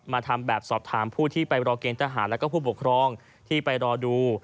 ทำแบบสอบถามผู้ที่ไปรอเกณฑหารแล้วก็ผู้ปกครองที่ไปรอดู